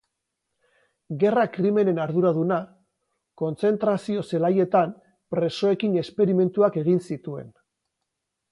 Gerra krimenen arduraduna, kontzentrazio-zelaietan presoekin esperimentuak egin zituen.